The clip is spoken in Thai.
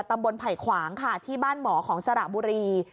ไผ่ขวางค่ะที่บ้านหมอของสระบุรี